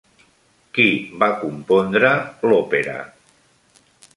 Qui va compondre l'òpera?